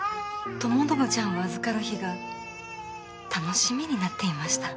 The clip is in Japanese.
友宣ちゃんを預かる日が楽しみになっていました。